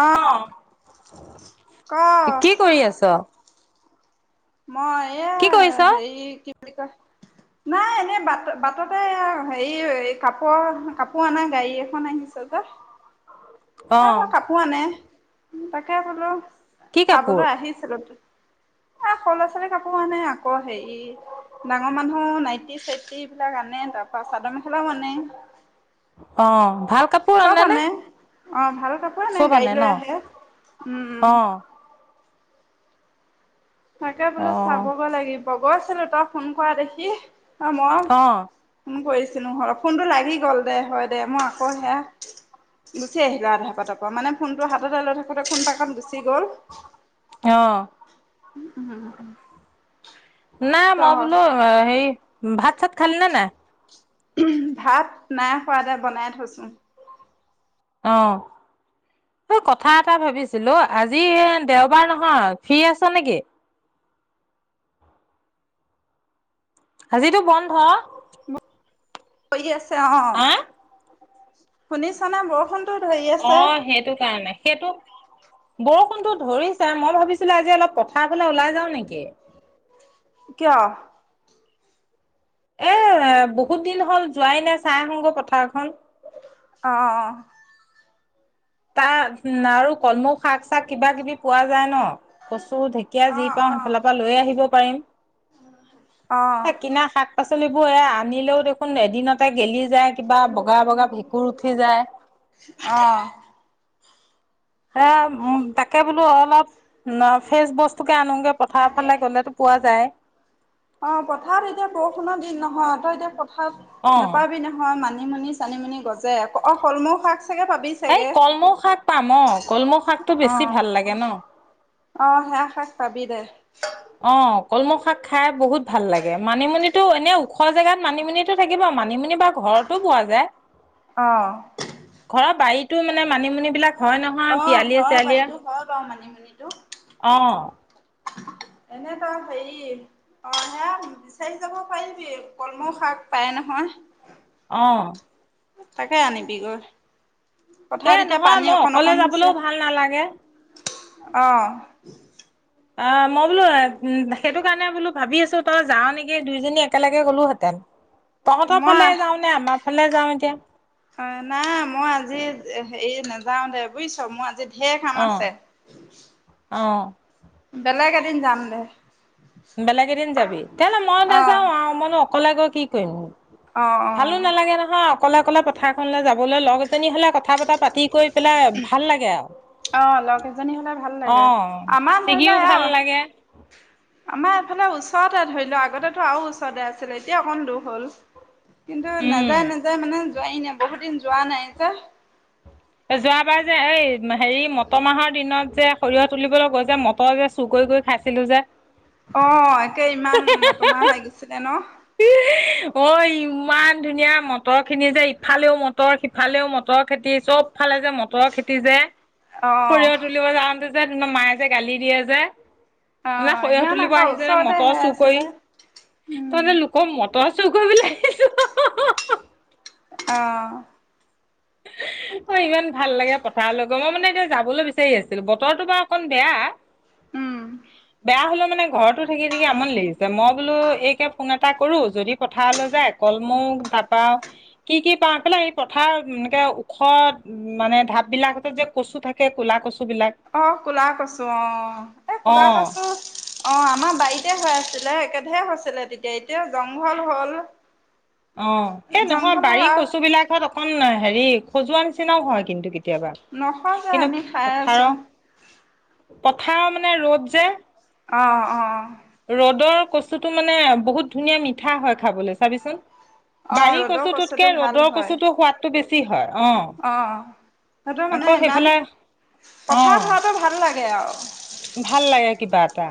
আহ উ কি কৰি আছ মই কি এ কৰিছ? হেৰি নাই এনে বাট বাটতে হেৰি কাপোৰ কাপোৰ অনা গাড়ী এখন আহিছে যে অ', কাপোৰ আনে তাকে বলো কি কাপোৰ? চাবলৈ আহিছিলো এ স' লৰা ছোৱালী কাপোৰ আনে আকৌ হেৰি ডাঙৰ মানুহ নাইটি চাইটি এইবিলাক আনে তাৰ পৰাা চাদৰ মেখেলাও আনে। অ ভাল কাপোৰ চব আনানে আনে অ ভাল। কাপোৰে নাই গাড়ী লৈ আহে উম অ', তাকে বোলো অ', চাবগৈ লাগিব বগৈছিলো তাক ফোন কৰা দেখি ত মই অ', ফোন কৰিছো। ফোনটো লাগি গ'ল দে হয় দে মই আকৌ সেয়া গুচি আহিলো আধাৰ পাতৰ পৰা মানে ফোনটো হাততে লৈ থাকোতে ফোন টো। গুচি গ'ল অ', উম উম উম হ নাই মই বোলো সেই ভাত চাত খালে ন নাই। ভাত নাই খোৱাাদায় বনাই থৈছোঁ। অ এই কথা এটা ভাবিছিলো আজি দেওবাৰ নহয় ফ্ৰী আছ নেকি আজিতো বন্ধ। ম পৰি আছে অ অ শুনিছ শুনা বৰষুণতো ধৰি আছে অ', সেইটো কাৰণে সেইটো বৰষুণটো ধৰিছে মই ভাবিছিলো আজি অলপ পথাৰ ফলে ওলাই যাও নেকি কিয় এ বহুত দিন হ'ল যোৱাই নাই চাই আহগৈ পথাৰখন অহ অহ তাৰ আৰু কলমৌ শাক চাক কিবা কিবি পোৱা যায় ন কচু ঢেকীয়া যি পাওঁ সেইফালৰ পৰা লৈ আহিব পাৰিম অহ এ কিনা [unintelligible] আনিলেও দেখোন এদিনতে গেলি যায় কিবা বগা বগা ভেঁকুৰ উঠি যায়। অহ এ উম তাকে বোলো অলপ ফ্ৰেচ বস্তু আনকে পথাৰ ফালে গ'লেতো পোৱা যায়। অ পথাৰত এতিয়া বৰষুণৰ দিন নহয় তই অ এতিয়া নাপাবি নহয় মানুহ মানিমুনি চানিমুনি গজে অ কলমৌ শাক চাগে পাবি এই চাগে। কলমৌ শাক পাম অ কলমৌ শাকটো অ বেছি ভাল লাগে ন। অ সেয়া শাক পাবি দে অ কলমৌ শাক খাই বহুত ভাল লাগে মানিমুনিএনে ওখ জেগাত মানিমুনিটো থাকিব মানিমুনি বা ঘৰতো পোৱা যায়। অহ তই মানে মানিমুনি বিলাক হয় নহয় অ পিয়ালিয়ে ঘৰ বাইদটো ঘৰ পাওঁ মানে যিতো অঁ এনে তো হেৰি অ সেয়া বিচাৰি যাব পাৰিবি কলমৌ শাক পাই নহয়। অহ তাকে আনিবিগৈ এ পথাৰত এতিয়া নহয় পানী মই অকণ অকলে অকণ হৈছে যাবলৈও ভাল নালাগে অ', [inaudible] অ মই বোলো সেইটো কাৰণে বোলো ভাবি আছো তই যাও নেকি দুইজনী একেলগে গলোহেঁতেন। তহঁতৰ মই ফালে যাওঁ নে আমাৰ ইফালে যাওঁ এতিয়া অ নাই মই আজি হেৰি নাযাও দে বুজিছো মই আজি ধেৰ কাম অ আছে অ বেলেগ এদিন যাম দে বেলেগ এদিন যাবি তে'লে মই অ', নাযাও আৰু মইনো অকলে গৈ কি কৰিম অ', ভালো অ'। নালাগে নহয় অকলে অকলে পথাৰখনলৈ যাবলৈ লগ এজনী হলে ক কথা বতৰা পাতি কৰি পেলাই ভাল লাগে আৰু অ', লগ এজনী হ'লে ভাল লাগে অঁ আমাৰ ধৰি লোৱা ছিগিও ভাল লাগে। ফালে ওচৰতে ধৰিলো আগতেটো আৰু ওচৰতে আছিলে এতিয়া অকণ দূখ হ'ল। কিন্তু উম নাযায়-নাযায় মানে যোৱাই নাই, বহুত দিন- যোৱা নাই যে। যোৱাবাৰ যে এই হেৰি মটৰ মাহৰ দিনত যে সৰিয়হ তুলিবলৈ গৈ যে মটৰ যে চুৰ কৰি-কৰি গৈ খাইছিলো যে। অহ তে ইমান মটমাহ লাগিছিলে ন। অ ইমান ধুনীয়া মটৰ খিনি যে ইফালেও মটৰ সিফালেও মটৰ খেতি চব। ফালে যে মটৰ খেতি যে উম। সৰিয়হ তুলিব যাওঁ। যে তোমাৰ মায়ে যে গালি দিয়ে যে। অ মানে খৰিয়হ ইমান তুলিব আকৌ আহিছে নে ওচৰতে মটৰ হৈ চুৰ কৰি আছিলে। উম তহঁতে লোকৰ মটৰ চুৰ কৰিব আহিছোঁ। অহ, অ' ইমান ভাল লাগে পথাৰলৈ গ মই মানে এতিয়া যাবলৈ বিচাৰি আছিলো বতৰটো বাৰু অকন বেয়া। উম। হলে মানে ঘৰত টো থাকি-থাকি আমনি লাগিছে মই বোলো এইকে ফোনত এটা কৰো যদি পথাৰলৈ যায় কল মৌ তাপাও কি-কি পাওঁ, এইফালে সেই পথাৰ ওখ উম মানে ধাপ বিলাক যে কচু থাকে কলা কচু। বিলাক অ কলা কৈছো অ এ অ কলা কছো অ আমাৰ বাৰীত, এতিয়া হৈ আছিলে একেধে হৈছিলে তেতিয়া এতিয়া জংঘল হল। অ ' সেই নহয় জংঘল হ'ল বাৰী আৰু কচু বিলাকত অকন হেৰি খজোৱাৰ নিচিনাও হয় কিন্তু। কেতিয়াবা নসজে কিন্তু আমি খাই পথাৰৰ আছো। পথাৰৰ মানে ৰ'দ যে। ৰ'দৰ অ-অ, কচুটো মানে বহুত ধুনীয়া মিঠা হয় খাবলৈ চাবিচোন। অ বাৰী ৰ'দৰ কচুটোতকে কচুটো ভাল ৰ'দৰ হয় কচুতো সোৱাদতটো বেছি। কি হয়? অ অ' সেইটো মানে আকৌ ইমান সেইফালে কথা অ', হোৱাটো ভাল লাগে আৰু। ভাল লাগে কিবা এটা।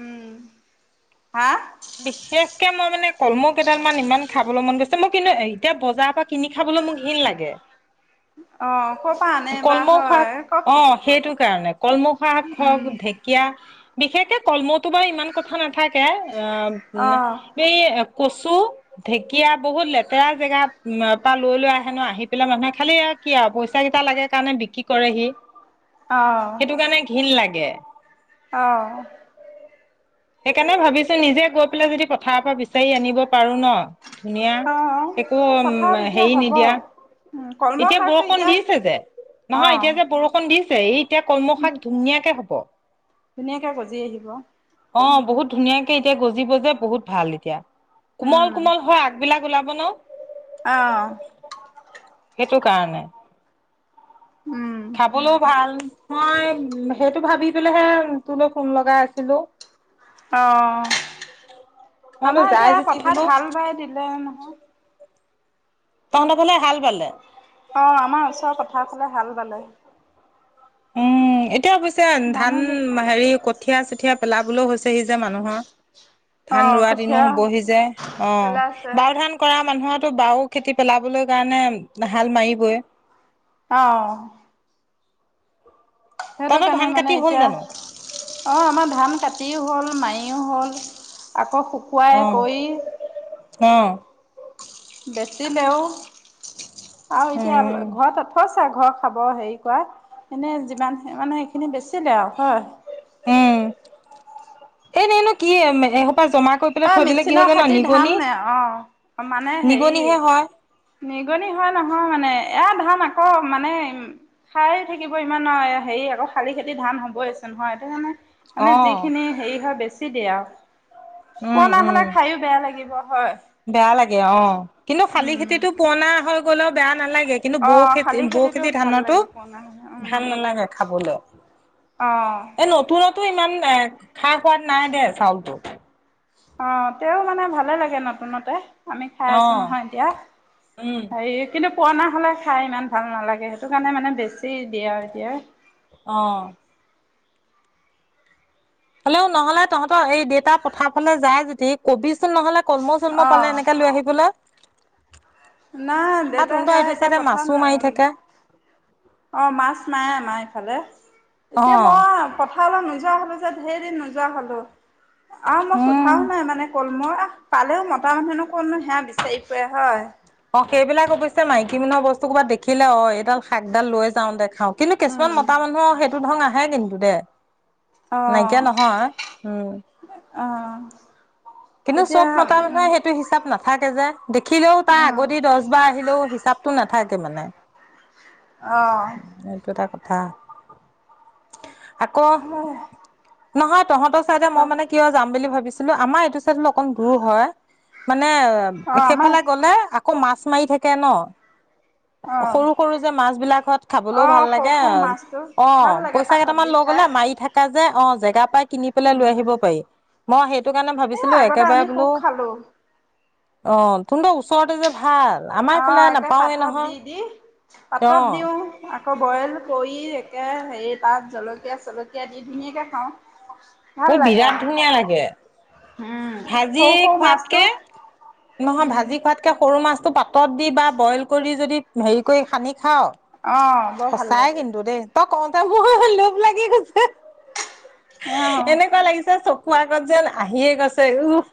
উম, হা। তাকে মই মানে কলমৌ কেইডাল মান ইমান খাবলৈ মন গৈছে মোৰ কিন্তু এতিয়া বজাৰৰ পৰা কিনি খাবলৈ মোক হীন লাগে। অ ক'পা আনে বা কলমৌ শাক হয় ক, অ', সেইটো কাৰণে কলমৌ শাক হওক ঢেকীয়া, বিশেষকে কলৰ্মতো বাৰু ইমান কথা নাথাকে অ অ এই ক ঢেকীয়া বহুত লেতেৰা জেগাত পৰা লৈ লৈ আহেনো আহি পেলাই মানুহে খালি আৰু কি আৰু পইচা কেইটা লাগে কাৰণে বিক্ৰী কৰেহি অ সেইটো কাৰণে ঘণ লাগে এ আহঁ সেইকাৰণে ভাবিছো নিজে গৈ পেলাই যদি পথাৰ পৰা বিচাৰি আনিব পাৰো ন ধুনীয়া অ একো এই উম পথাৰত এতিয়া হেৰি হ'ব নিদিয়া উম কলম এতিয়া শাকটো বৰষুণ এতিয়া দিছে যে অ নহয় এতিয়া যে বৰষুণ দিছে এই এতিয়া কলমশাক ধুনীয়াকে হব ধুনীয়াকে গজি আহিব অ উম বহুত ধুনীয়াকে এতিয়া গজিব যে বহুত ভাল এতিয়া কোমল কোমল হয় আগবিলাক ওলাব মানে আহ সেইটো কাৰণে উম খাবলৈও ভাল মই সেইটো ভাবি পলেহে তোৰলৈ ফোন লগাই আছিলো অ মই বোলো আমাৰ যাই এতিয়া যদি বোলো পথাৰত হাল বাই দিলে নহয় ত ন ভাললে হাল বালে অ আমাৰ ওচৰৰ কথা কলে হাল বালে উম এতিয়া ধান মানুহ হেৰি কঠিয় চঠিয় পেলাাবোলেও হৈছেহি যে মানুহৰ অ ধান ৰোৱা দিনো কঠীয়া হ বহি যায় অ পেলাইছে বাও ধান কৰা মানুহত বাাৰ খেতি পেলাবলৈ কাৰণে হাল মাৰিবই আহ সেইটো তহঁতৰ কাৰণে ধান কাটি মানে হ'ল এতিয়া জানো অ আমাৰ ধান কাটিও হ'ল মাই হ'ল শুকুৱাই কৰি হঁ বেছি লেও আৰু এতিয়া উম ঘৰত ত ফচ া ঘৰ খাব হেৰি কৰা এনেই যিমান মানে সেইখিনি বেচে আৰু হয় উম এ ন ন কি পৰা জমা কৰি পেলাই হয় থৈ দিলে কি মেচিনৰ হয় জানা খেতি ধান নিগনি অ' মানে হেৰি নিগনিহে হয় নিগনি হয় নহয় মানে এয়া ধান আকৌ মানে খাই থাকিব ইমান হেৰি আকৌ শালি খেতি ধান হ'বই আছে নহয় সেইটো কাৰণে মানে অ যিখিনি হেৰি হয় বেছি [unintelligible] উম, পুৰণা হ'লে উম খায়ো বেয়া লাগিব হয়। বেয়া লাগে অ, ' কিন্তু শালি উম। খেতিটো। পুৰনা হৈ গ'লও বেয়া নালাগে। কিন্তু বৌ অ', খেতি শালি বৌ খেতিটো খেতি ভাল ধানতো লাগে পুৰণা উম, ভাল নালাগে খাবলে অ', এ নতুনতো ইমান। খাই সোৱাদ নাই দে চাউলটো। অ, ' তেওঁ মানে ভালে লাগে নতুনতে। আমি খাই আছো অঁ, নহয় এতিয়া, উম, হেৰি কিন্তু পুৰণা হ'লে খাই ইমান ভাল নালাগে সেইটো কাৰণে মানে বেছি দিয়ে আৰু এতিয়া। অ'। হ'লেও নহ'লে তহঁতৰ এই দেউতা পথাৰ ফালে যায় যদি কবি [unintelligible] নহ'লে কলমৌ চলমৌ অ', পালে এনেকে লৈ আহিবলৈ। নাই আৰু দেউতা তহঁতৰ সেয়া সেইটো এতিয়া চাইডে পথাৰ মাছো ন মাৰি থাকে। অ', মাছ নাইে আমাৰ ইফালে এতিয়া অঁ, মই পথাৰলৈ নোযোৱা হ'ল যে ধেৰি নোযোৱা হ'লো। অ', মই উম। সোধাও নাই মানে কলমৌ পালেও মতা মানুহেনো ক'তনো সেয়া বিচাৰি ফুৰে হয়। অ', সেইবিলাক অৱশ্যে মাইকী মানুহে বস্তু ক'ৰবাত দেখিলে অ', এইডাল শাকডাল লৈ যাওঁ দে। কিন্তু কিছুমান উম, মতা মানুহৰ সেইটো ধং হয় কিন্তু দে। নাইকিয়া অ', নহয়, উম। অ'। কিন্তু এতিয়া চব মতা উম মানহে সেইটো হিচাপ নাথ থাকে যে। দেখিলেও উম তাৰ আগতে দচ বাৰ আহিলেও হিচাপটো নাথাকে মানে, অঁ এইটো এটা কথা। আকৌ হয়। নহয়। তহঁতক চাইদে মই মানে কিয় যাম বুলি ভাবি ছিলো আমাৰ এইটো অকণ দূৰ হয় মান মানে আমাৰ সেইফালে গ'লে আকৌ মাছ মাৰি থাকে ন'। অঁ সৰু সৰু যে মাছ বিলাকত খাবলৈও অঁ ভাল সৰু লাগে সৰু মাছটো অ' ভাল লাগে পইচা পাতত কেইটামান দি লৈ খাই গ'লে মাৰি থকা। অ', জেগা পাই কিনি পেলাই লৈ আহিব পাৰি। মই সেইটো কাৰণে এ ভাবিছিলো আগতে আমি খুব খালো। অঁ তুনত ওচৰতে যে ভাল আমাৰ এইফালে অ' একে নাপাওৱে পাতত নহয় দি দি পাতত অ', দিওঁ। আকৌ বইল কৰি একে হেৰি তাত জলকীয়া-চলকীয়া দি ধুনীয়াকে খাওঁ। ভাল মোৰ লাগে বিৰাট আৰু ধুনীয়া লাগে উম ভাঁজি সৰু সৰু মাছটো খোৱাতকে নহয় ভাঁজি খোৱাতকে সৰু মাছ টো পাতত দি বা বইল কৰি যদি হেৰি কৰি সানি খাও অঁ বৰ ভাল সঁচাই লাগে কিন্তু দেই। তক কওঁতে মোৰ লোপ লাগি গৈছে। অঁ এনেকুৱা লাগিছে চক কোৱা আগত যে আহিয়ে গৈছে উহ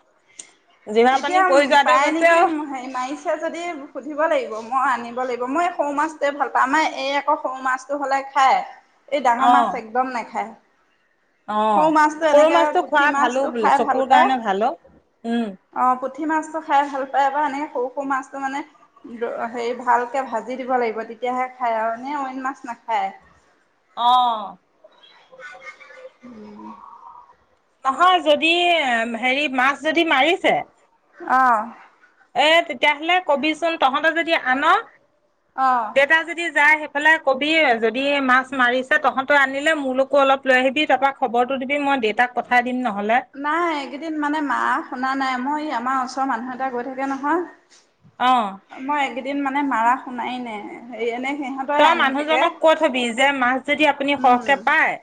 এতিয়া পাই নেকি হেই মাৰিছে যদি সুধিব লাগিব ম মই আনিব লাগিব মই এই সৰু মাছটোৱে ভাল পা, আমাৰ এই আকৌ সৰু মাছটো হলে খাই। এই ডাঙৰ মাছ একদম নেখায় অঁ, সৰু মাছটো খোৱা পুঠি ভালো মাছটো বোলে খাই ভাল চকুৰ পায় কাৰণে ভাল অ' উম। অ পুঠি মাছটো খাই ভাল পায় বা এনেকে সৰু সৰু মাছটো মানে, হেৰি ভালকে ভাঁজি দিব লাগিব, তেতিয়াহে খায়। আৰু এনেই অইন মাছ নাখায়। অঁ উম। নহয় যদি, হেৰি মাছ যদি মাৰিছে। আহ এই তেতিয়া হ'লে কবিচোন তহঁতৰ যদি আনৰ অ দেউতা যদি যায় সে এইফালে কবি যদি মাছ মাৰিছে তহঁতৰ আনিলে মোৰলৈকো অলপ লৈ আহিবি, তাৰপৰা খবৰটো দিবি মই দেউতাক পঠাই দিম নহয়। নাই, এইকেইদিন মানে মাৰ শুনা নাই, মই এই আমাৰ ওচৰ ওচৰৰ মানুহ এটাই গৈ থাকে নহয় অহ' এদিন মানে মাৰা শুনাই নাই সেই এনে সিহঁতই তই আনি থাকে। মানুহজনক কৈ থবি যে মাছ যদি আপুনি উম, সৰহকে পায়,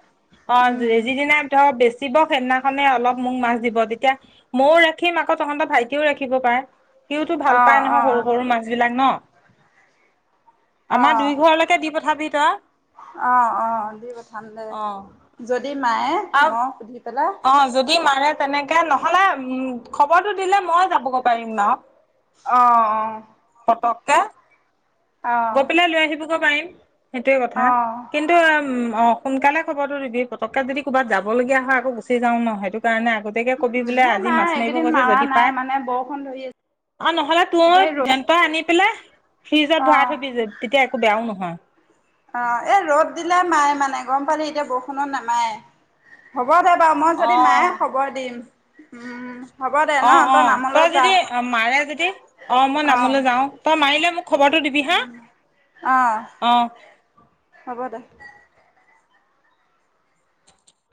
অ', উম, যি-যিদিনাই ধৰ বেছি সি বাও সেইদিনাখনে অলপ মোক মাছ দিব। তেতিয়া মইও ৰাখিম, আকৌ তহঁত ভাইটিও ৰাখিব পাৰে। সিওটো ভাল অ', পাই নহয় অ', সৰু সৰু মাছ বিলাক ন? অ'। তে দি পঠাবি তই অ', অ', দি পঠাম দে। অঁ যদি মায়ে মই সুধি পেলাই অ'! যদি মাৰে তেনেকে নহ নহ'লে, উম! খবৰটো দিলে মই যাবগৈ পাৰিম ন'। অঁ! অঁ! [unintelligible] গৈ পেলাই লৈ আহিব। [unintelligible] সেইটোৱে কথা অ', কিন্তু, অ'! সোনকালে খবৰটো দিবি পতককে যদি ক'বাত যাব লগীয়া হয় আকৌ গুচি যাওঁ ন'। সেইটো কাৰণে গতিকে, ক'বি বোলে এ আজি নাই মাছ মাৰিব এইকেইদিন গৈছে, মাৰা যদি নাই পাই মানে বৰষুণ ধৰি আৰু নহ'লে আছে যে তোৰ ৰ'দ তই আনি পেলাই ফ্ৰিজত ভৰাই অ', থবি যে, তেতিয়া একো বেয়াও নহয়। অ'! এ, ৰ'দ দিলে মাৰে মানে গম পালি, এতিয়া বৰষুণত নামাৰে। হ'ব দে বাৰু মই অ যদি মাৰে খবৰ দিম। উম! হ'ব দে ন অ'! অ'! নামলৈ তই যা যদি মাৰে যদি, অ'! মই নামলৈ যাওঁ। তই মাৰিলে মোক খবৰটো দিবি হা, অঁ অ'! হ'ব দে।